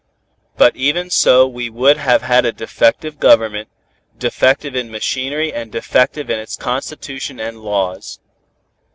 But even so we would have had a defective Government, defective in machinery and defective in its constitution and laws.